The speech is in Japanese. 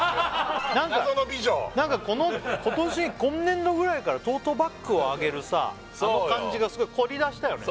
謎の美女なんか今年今年度ぐらいからトートバッグをあげるあの感じがすごい凝りだしたよね